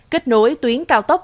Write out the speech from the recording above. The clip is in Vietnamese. kết nối tuyến cao tốc